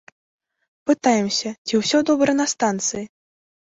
Пытаемся, ці ўсё добра на станцыі.